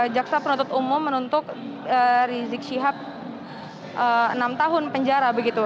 jaksa penuntut umum menuntut rizik syihab enam tahun penjara begitu